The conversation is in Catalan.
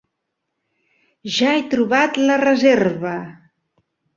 Ja he trobat la reserva.